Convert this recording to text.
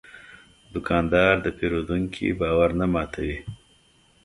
دوکاندار د پېرودونکي باور نه ماتوي.